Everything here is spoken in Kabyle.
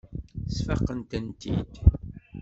Sfaqen-tent-id.